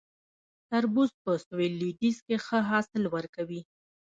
تربوز په سویل لویدیځ کې ښه حاصل ورکوي